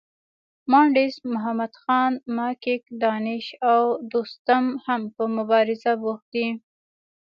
مانډس محمدخان، ماکیک، دانش او دوستم هم په مبارزه بوخت دي.